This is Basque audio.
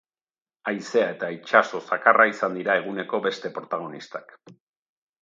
Haizea eta itsaso zakarra izan dira eguneko beste protagonistak.